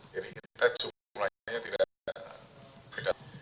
jadi kita jumlahnya tidak ada